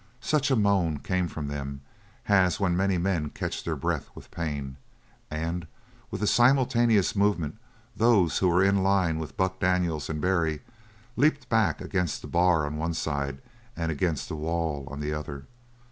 Such a moan came from them as when many men catch their breath with pain, and with a simultaneous movement those who were in line with Buck Daniels and Barry leaped back against the bar on one side and against the wall on the other.